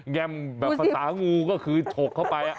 แง่มแบบภาษางูก็คือฉกเข้าไป